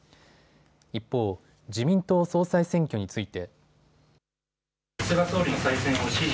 一方、自民党総裁選挙について。